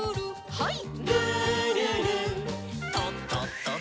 はい。